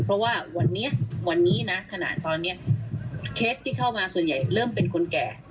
เพราะว่าวันนี้วันนี้นะขนาดตอนนี้เคสที่เข้ามาส่วนใหญ่เริ่มเป็นคนแก่